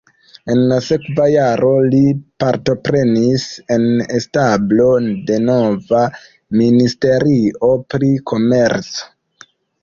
En la sekva jaro li partoprenis en establo de nova ministerio pri komerco.